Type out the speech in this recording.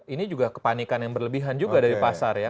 ini juga kepanikan yang berlebihan juga dari pasar ya